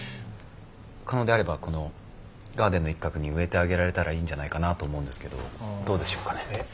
可能であればこのガーデンの一角に植えてあげられたらいいんじゃないかなと思うんですけどどうでしょうかね。